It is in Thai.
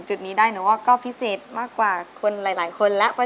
คนอื่นคอยแรงเอาไว้ก่อนเพราะใจฉันมันหลุมร้อนให้เธอบ่ายใจได้เลย